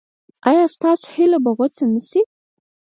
ایا ستاسو هیله به غوڅه نشي؟